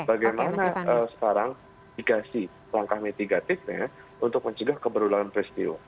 bagaimana sekarang mitigasi langkah mitigatifnya untuk mencegah keberulangan peristiwa